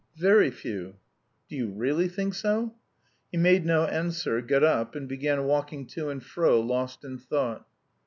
"Very few." "Do you really think so?" He made no answer, got up, and began walking to and fro lost in thought.